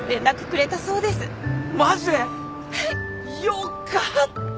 よかった。